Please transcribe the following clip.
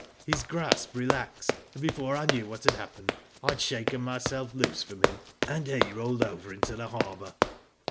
His grasp relaxed, and before I knew what had happened I had shaken myself loose from him, and he rolled over into the harbour.